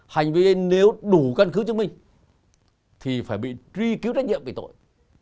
hành vi ấy nếu đủ căn cứ chứng minh thì phải bị truy cứu trách nhiệm về tội